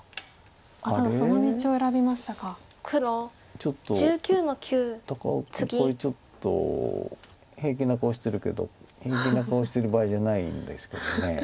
ちょっと高尾君これ平気な顔してるけど平気な顔してる場合じゃないんですけど。